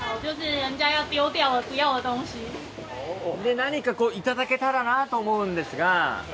何か頂けたらなと思うんですが。